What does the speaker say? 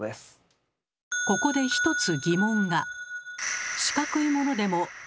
ここで１つ疑問が。